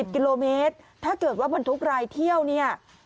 ๑กิโลเมตรถ้าเกิดว่าบรรทุกรายเที่ยวเนี่ย